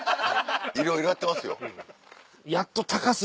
いろいろやってますよ。